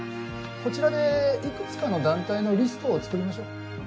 こちらでいくつかの団体のリストを作りましょう。